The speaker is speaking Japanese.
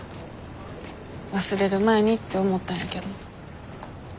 忘れる前にって思ったんやけど。